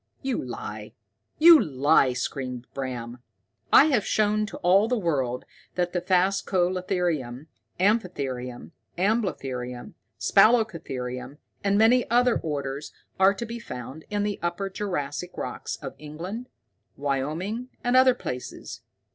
"You lie! You lie!" screamed Bram. "I have shown to all the world that phascalotherium, amphitherium, amblotherium, spalacotherium, and many other orders are to be found in the Upper Jurassic rocks of England, Wyoming, and other places.